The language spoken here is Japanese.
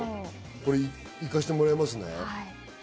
これ、行かせてもらいますね。